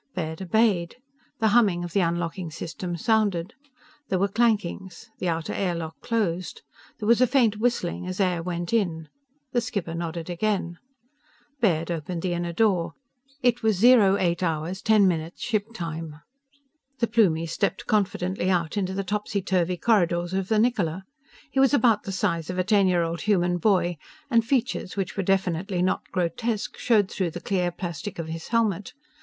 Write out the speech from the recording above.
Baird obeyed. The humming of the unlocking system sounded. There were clankings. The outer air lock dosed. There was a faint whistling as air went in. The skipper nodded again. Baird opened the inner door. It was 08 hours 10 minutes ship time. The Plumie stepped confidently out into the topsy turvy corridors of the Niccola. He was about the size of a ten year old human boy, and features which were definitely not grotesque showed through the clear plastic of his helmet.